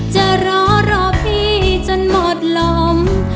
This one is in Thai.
จะรอรอพี่จนหมดลม